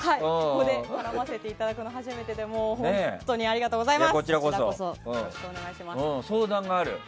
ここで絡ませていただくの初めてで本当にありがとうございます。